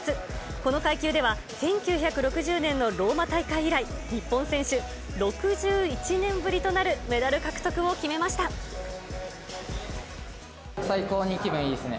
この階級では、１９６０年のローマ大会以来、日本選手６１年ぶり最高に気分いいですね。